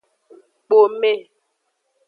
Kpome.